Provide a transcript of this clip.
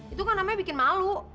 itu kan namanya bikin malu